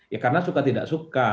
ya karena suka tidak suka